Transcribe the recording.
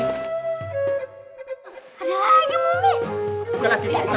ada lagi momi